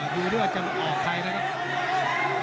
ดูด้วยจะออกใครแล้วนะครับ